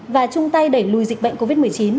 và chung tay đẩy lùi dịch bệnh covid một mươi chín